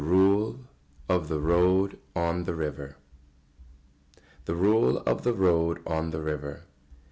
RULE OF THE ROAD ON THE RIVER. [Sidenote: The rule of the road on the river.